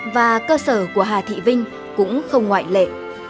và cơ sở của hà thị vinh cũng không ngoại lệ